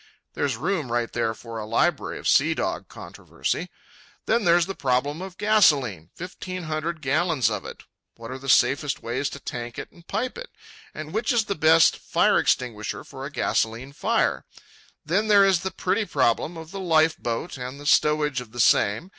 —there's room right there for a library of sea dog controversy. Then there's the problem of gasolene, fifteen hundred gallons of it—what are the safest ways to tank it and pipe it? and which is the best fire extinguisher for a gasolene fire? Then there is the pretty problem of the life boat and the stowage of the same.